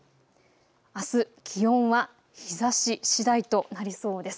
あす気温は日ざししだいとなりそうです。